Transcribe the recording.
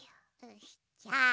じゃあ。